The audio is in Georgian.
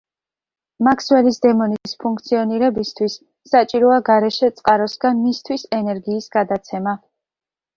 მაქსველის დემონის ფუნქციონირებისთვის საჭიროა გარეშე წყაროსგან მისთვის ენერგიის გადაცემა.